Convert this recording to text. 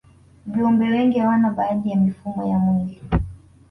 viumbe wengi hawana baadhi ya mifumo ya mwili